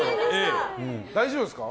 大丈夫ですか？